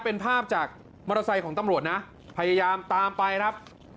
เป็นภาพจากมอเตอร์ไซค์ของตำรวจนะพยายามตามไปครับ